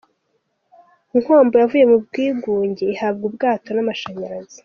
Nkombo yavuye mu bwigunge ihabwa ubwato n’amashanyarazi .